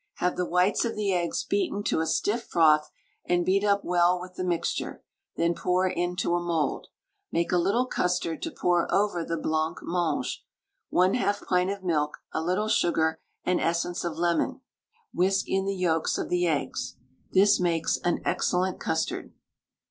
Have the whites of the eggs beaten to a stiff froth, and beat up well with the mixture; then pour into a mould. Make a little custard to pour over the blancmange 1/2 pint of milk, a little sugar, and essence of lemon; whisk in the yolks of the eggs. This makes an excellent custard.